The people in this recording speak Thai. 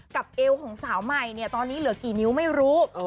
เอวของสาวใหม่เนี่ยตอนนี้เหลือกี่นิ้วไม่รู้